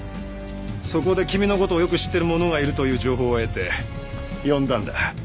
そこで君のことをよく知ってる者がいるという情報を得て呼んだんだ。